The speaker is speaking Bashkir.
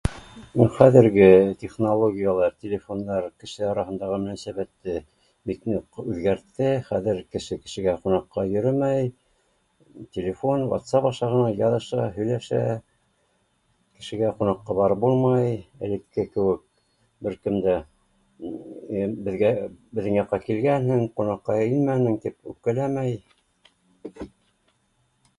Хәҙерге технологиялар, телефондар кеше араһындағы мөнәсәбәтте бик ныҡ үҙгәртте, хәҙер кеше кешегә ҡунаҡҡа йөрөмәй, телефон, WhatsApp аша ғына яҙыша, һөйләшә, кешегә ҡунаҡҡа барып булмай, элекке кеүек бер кемдә беҙгә беҙҙең яҡҡа килгәнһең ҡунаҡҡа инмәнең тип үпкәләмәй